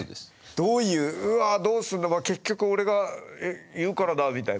どういううわどうすんのか結局俺がいるからだみたいな。